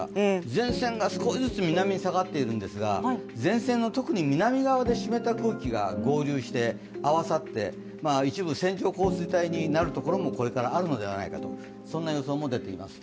前線が少しずつ南に下がっているんですが、前線の特に南側で湿った空気が合流して合わさって一部、線状降水帯になるところもこれからあるのではないかとそんな予想も出ています。